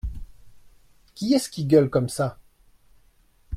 Qui est-ce qui gueule comme ça !